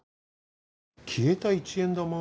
消えた一円玉？